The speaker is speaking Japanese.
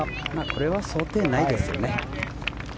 これは想定内ですよね。